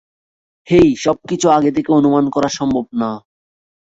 হেই, সবকিছু আগে থেকে অনুমান করা সম্ভব না।